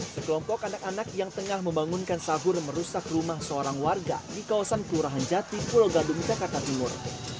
sekelompok anak anak yang tengah membangunkan sahur merusak rumah seorang warga di kawasan kelurahan jati pulau gadung jakarta timur